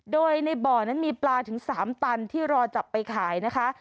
โดยในบ่อนั้นมีปลาถึง๓ตันที่รอจับไปขายนะคะ